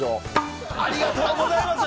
◆ありがとうございます。